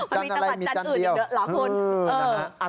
จันทร์อะไรมีจันทร์อื่นอยู่ด้วยหรอคุณ